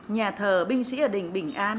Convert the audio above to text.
nhà thờ binh sĩ ở đỉnh bình an